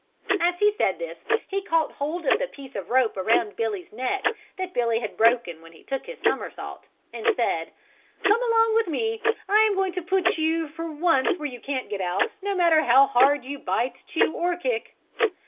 As he said this he caught hold of the piece of rope around Billy's neck that Billy had broken when he took his somersault, and said: "Come along with me. I am going to put you for once where you can't get out, no matter how hard you bite, chew or kick."